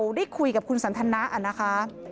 ได้คุยกับคุณสันทนะนะคะ